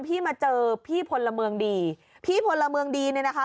พี่พลเมืองดีพี่พลเมืองดีนะคะ